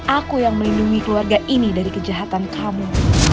aku yang melindungi keluarga ini dari kejahatan kamu